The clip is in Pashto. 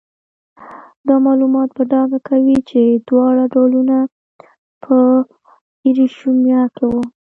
دا معلومات په ډاګه کوي چې دواړه ډولونه په ایروشیا کې وو.